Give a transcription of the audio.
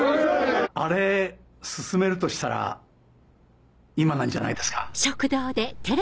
あれ進めるとしたら今なんじゃないですか？